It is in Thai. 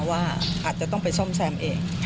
ว่าอาจจะต้องไปซ่อมแซมเอง